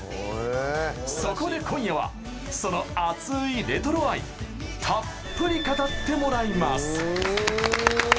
そこで今夜はそのアツいレトロ愛たっぷり語ってもらいます。